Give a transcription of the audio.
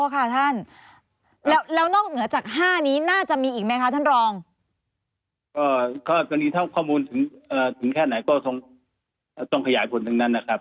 อ๋อค่ะท่านแล้วนอกเหนือจาก๕นี้น่าจะมีอีกไหมคะท่านรอง